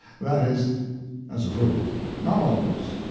That is, as a rule. Not always.